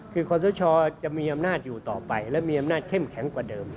คือขอสชจะมีอำนาจอยู่ต่อไปและมีอำนาจเข้มแข็งกว่าเดิม